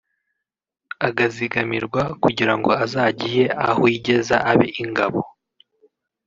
agazigamirwa kugira ngo azagiye aho yigeza abe ingabo